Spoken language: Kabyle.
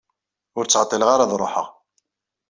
Ur ttɛeṭṭileɣ ara ad ruḥeɣ.